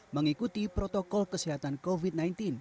mengikuti protokol kesehatan covid sembilan belas